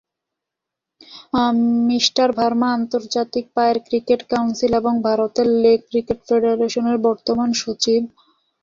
Mr Verma আন্তর্জাতিক পায়ের cricket council এবং ভারতের লেগ ক্রিকেট ফেডারেশনের বর্তমান সচিব।